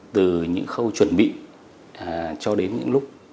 từ những khâu chuẩn bị cho đến những lúc